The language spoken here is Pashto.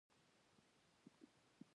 که امتیاز ورکړل شي، سمدستي خوشاله کېږي.